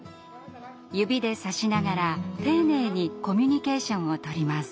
指でさしながら丁寧にコミュニケーションをとります。